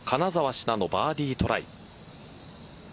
志奈のバーディートライ。